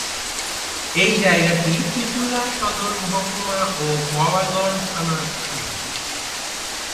এই জায়গাটি চুঁচুড়া সদর মহকুমা ও বলাগড় থানার অধীন।